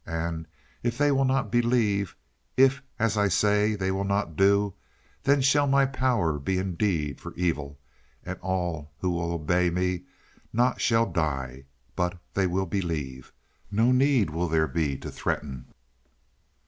And if they will not believe, if as I say they will not do, then shall my power be indeed for evil, and all who will obey me not shall die. But they will believe no need will there be to threaten.